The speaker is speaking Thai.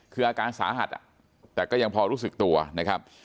คืออาการสาหัสแต่ก็ยังพอรู้สึกตัวนะครับ